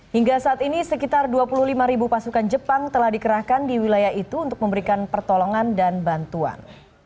hingga saat ini sekitar dua puluh lima ribu pasukan jepang telah dikerahkan di wilayah itu untuk memberikan pertolongan dan bantuan